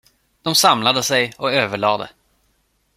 De samlade sig och överlade.